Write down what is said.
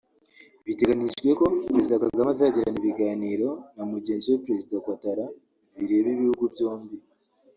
Biteganyijwe ko Perezida Kagame azagirana ibiganiro na Mugenzi we Perezida Ouattara bireba ibihugu byombi